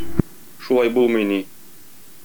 Шулай булмый ни!